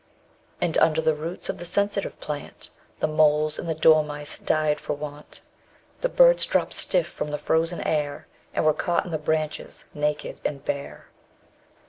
And under the roots of the Sensitive Plant The moles and the dormice died for want: The birds dropped stiff from the frozen air _100 And were caught in the branches naked and bare.